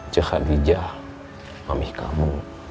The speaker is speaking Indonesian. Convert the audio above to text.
cekhan hijah mamih kamu